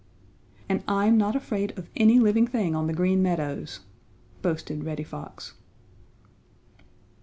"And I'm not afraid of any living thing on the Green Meadows!" boasted Reddy Fox.